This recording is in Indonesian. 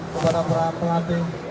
kepada para pelatih